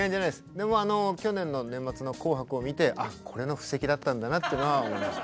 でもあの去年の年末の「紅白」を見てあっこれの布石だったんだなっていうのは思いました。